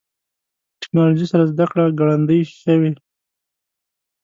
ټکنالوژي سره زدهکړه ګړندۍ شوې.